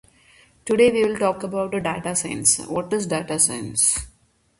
It was a site for meetings among the leaders of the Five Civilized Tribes.